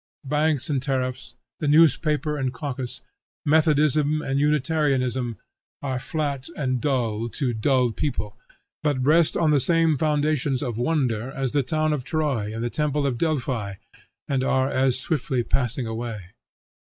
Banks and tariffs, the newspaper and caucus, Methodism and Unitarianism, are flat and dull to dull people, but rest on the same foundations of wonder as the town of Troy and the temple of Delphi, and are as swiftly passing away.